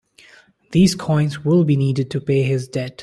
These coins will be needed to pay his debt.